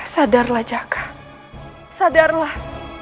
sadarlah jakarta sadarlah